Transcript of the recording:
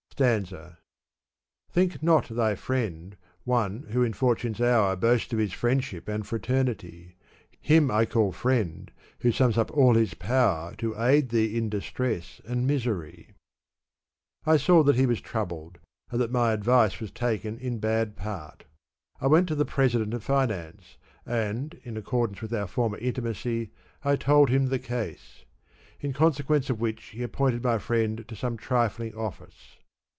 S/anza, Think not thy friend one who in fortune's hour Boasts of his friendship and fraternity. Him I call friend who sums up all his power To aid thee in distress and misery." I saw that he was troubled, and that my advice was taken in bad part I went to the president of finance, and, in accordance with our former intimacy, I told him the case ; in consequence of which he appointed my friend to some trifling office.